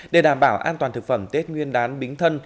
để đảm bảo an toàn thực phẩm tết nguyên đán bính thân